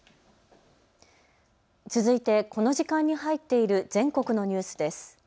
続いてこの時間に入っている全国のニュースです。